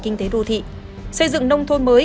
kinh tế đô thị xây dựng nông thôn mới